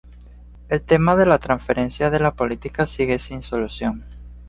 El tema de la transferencia de la policía sigue sin solución.